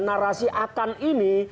narasi akan ini